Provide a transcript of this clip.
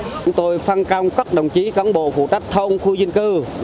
chúng tôi phân công các đồng chí cán bộ phụ trách thôn khu dân cư